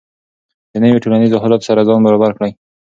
د نویو ټولنیزو حالاتو سره ځان برابر کړئ.